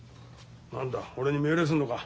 何だ俺に命令するのか。